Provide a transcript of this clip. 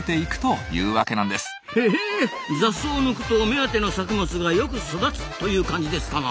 へえ雑草を抜くと目当ての作物がよく育つという感じですかな？